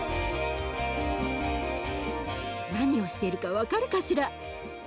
何をしてるか分かるかしら？